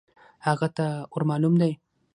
هغه ته ور مالوم دی .